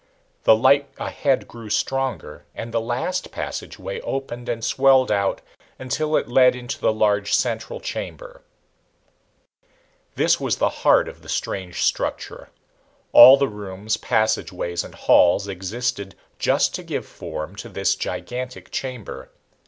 The light ahead grew stronger, and the last passageway opened and swelled out until it led into the large central chamber. This was the heart of the strange structure. All the rooms, passageways and halls existed just to give form to this gigantic chamber.